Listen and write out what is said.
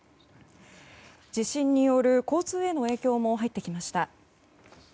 地震による交通への影響も入ってきました。